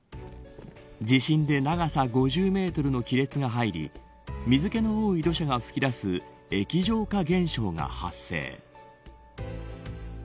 地震で長さ５０メートルの亀裂が入り水気の多い土砂が噴き出す液状化現象が発生。